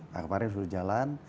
pada kemarin sudah jalan